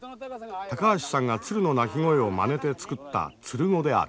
高橋さんが鶴の鳴き声をまねて作った鶴語である。